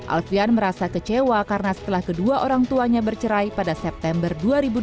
alfian merasa kecewa karena setelah kedua orang tuanya bercerai pada september dua ribu dua puluh